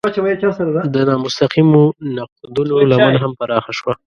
د نامستقیمو نقدونو لمن هم پراخه شوه.